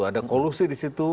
ada kolusi disitu